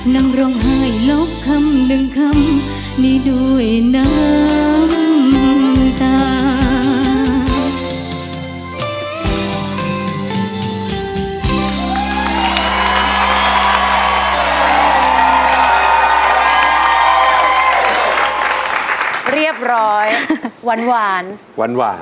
นั่งร้องไห้ลบคำหนึ่งคำนี้ด้วยน้ำตา